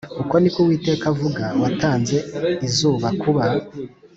Uko ni ko Uwiteka avuga watanze izuba kuba